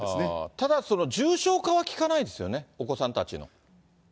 ただその重症化は聞かないですよね、お子さんたちの。